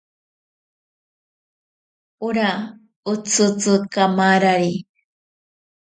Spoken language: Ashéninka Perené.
Ora otsitzi kamarari.